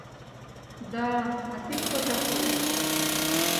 — Да, а ты кто такой?